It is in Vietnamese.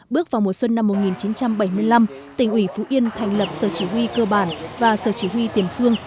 bước vào mùa xuân năm một nghìn chín trăm bảy mươi năm tỉnh ủy phú yên thành lập sở chỉ huy cơ bản và sở chỉ huy tiền phương